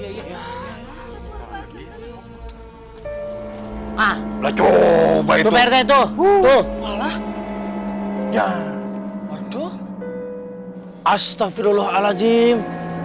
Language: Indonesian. ya itu pak rt ya itu pak rt itu fouualahifiers a ja har adu astagfirullahaladzim